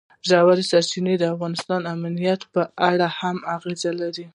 ژورې سرچینې د افغانستان د امنیت په اړه هم اغېز لري.